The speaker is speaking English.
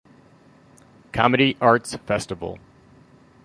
Comedy Arts Festival.